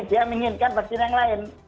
dia menginginkan vaksin yang lain